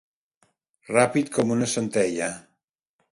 Ràpid com una centella.